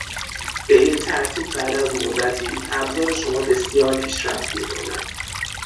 به این ترتیب بعد از مدتی ابزار شما بسیار پیشرفت میکند